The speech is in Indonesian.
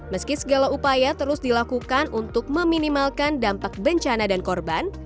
meski segala upaya terus dilakukan untuk meminimalkan dampak bencana dan korban